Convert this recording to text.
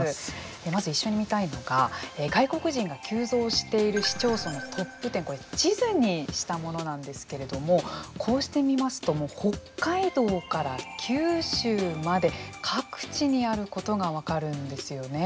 まず一緒に見たいのが外国人が急増している市町村トップ１０これ地図にしたものなんですけれどもこうして見ますともう北海道から九州まで各地にあることが分かるんですよね。